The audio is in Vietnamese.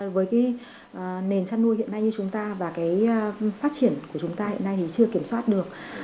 với cái nền chăn nuôi hiện nay như chúng ta và cái phát triển của chúng ta hiện nay thì chưa kiểm soát được